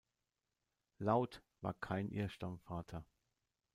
Laut war Kain ihr Stammvater.